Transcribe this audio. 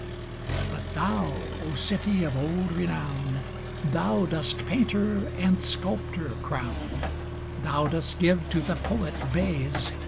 But thou, O city of old renown, Thou dost painter and sculptor crown ; Thou dost give to the poet bays.